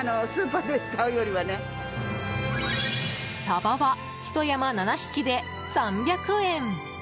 サバは、ひと山７匹で３００円。